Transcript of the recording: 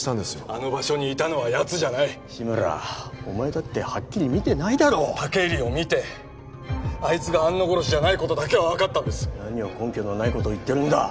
あの場所にいたのはやつじゃない志村お前だってはっきり見てないだろ武入を見てあいつが安野殺しじゃないことだけは分かったんです何を根拠のないことを言ってるんだ